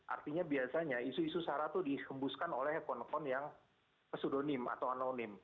artinya biasanya isu isu saranya tuh dihembuskan oleh akun akun yang pseudonym atau anonim